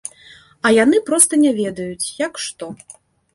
А яны проста не ведаюць, як што.